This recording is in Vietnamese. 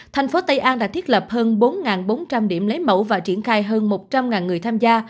thành phố tây an đã thiết lập hơn bốn bốn trăm linh điểm lấy mẫu và triển khai hơn một trăm linh người tham gia